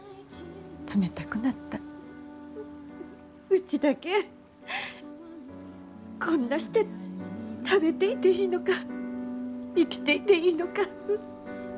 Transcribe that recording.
うちだけこんなして食べていていいのか生きていていいのか。